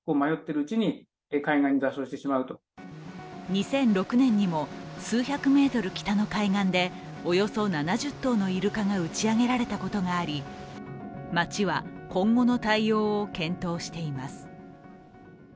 ２００６年にも数百ｍ北の海岸で、およそ７０頭のイルカが打ち上げられたことがあり町は今後の対応を検討しています。